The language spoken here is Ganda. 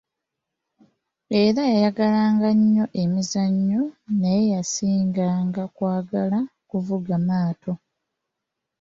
Era naye yayagala nnyo emizannyo, naye yasinga kwagalanga kuvuga maato.